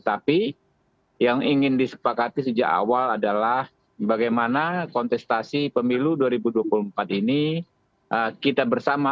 tapi yang ingin disepakati sejak awal adalah bagaimana kontestasi pemilu dua ribu dua puluh empat ini kita bersama